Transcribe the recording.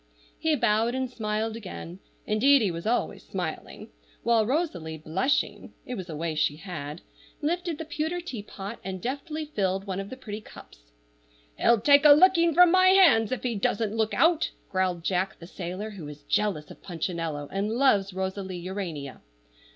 He bowed and smiled again (indeed, he was always smiling), while Rosalie, blushing (it was a way she had), lifted the pewter teapot, and deftly filled one of the pretty cups. "He'll take a licking from my hands if he doesn't look out!" growled Jack, the sailor, who is jealous of Punchinello, and loves Rosalie Urania.